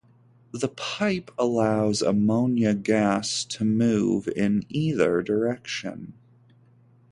The pipe allows ammonia gas to move in either direction.